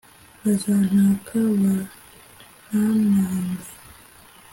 bazantaka bantanage